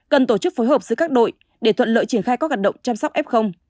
cần tổ chức phối hợp giữa các đội để thuận lợi triển khai có gạt động chăm sóc f